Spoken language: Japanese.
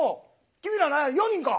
君らなんや４人か？